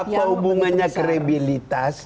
apa hubungannya kredibilitas